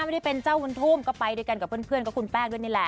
ไม่ได้เป็นเจ้าบุญทุ่มก็ไปด้วยกันกับเพื่อนก็คุณแป้งด้วยนี่แหละ